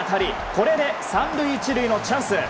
これで３塁１塁のチャンス。